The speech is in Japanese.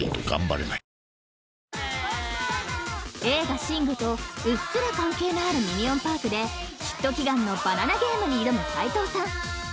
［映画『ＳＩＮＧ／シング』とうっすら関係のあるミニオン・パークでヒット祈願のバナナゲームに挑む斎藤さん］